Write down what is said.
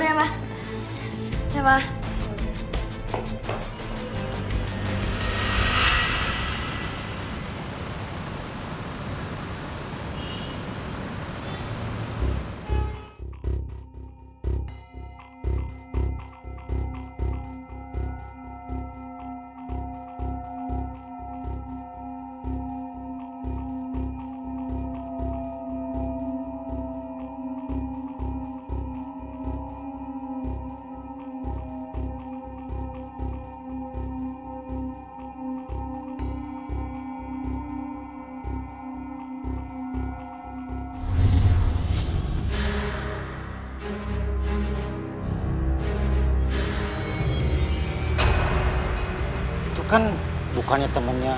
eh din kamu mau kemana